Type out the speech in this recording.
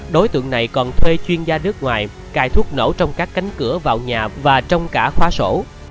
đối tượng này còn thuê chuyên gia nước ngoài cài thuốc nổ trong các cánh cửa vào nhà và trong cả khóa sổ